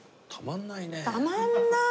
たまんない！